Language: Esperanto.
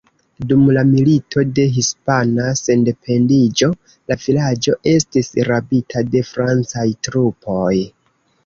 Dum la Milito de Hispana Sendependiĝo la vilaĝo estis rabita de francaj trupoj.